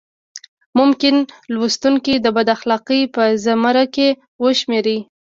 ممکن لوستونکي د بد اخلاقۍ په زمره کې وشمېري.